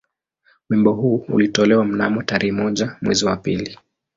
Wimbo huu ulitolewa mnamo tarehe moja mwezi wa pili